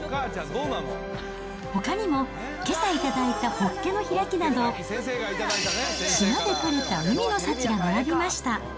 ほかにもけさ頂いたホッケの開きなど、島で取れた海の幸が並びました。